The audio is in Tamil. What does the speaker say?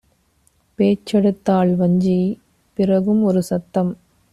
பேச்செடுத்தாள் வஞ்சி; பிறகும் ஒருசத்தம்: